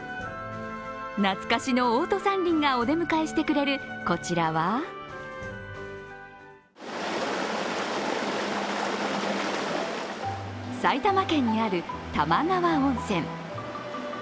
懐かしのオート三輪がお出迎えしてくれるこちらは埼玉県にある玉川温泉。